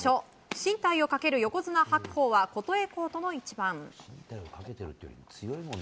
進退をかける横綱・白鵬は琴恵光との一番。